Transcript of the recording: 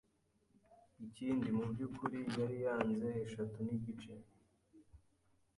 ikindi mu byukuri yariyaranze eshatu n’igice